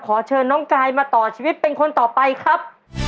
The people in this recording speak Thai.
ขอเชิญน้องกายมาต่อชีวิตเป็นคนต่อไปครับ